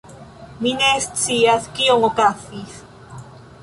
Mi ne scias kio okazis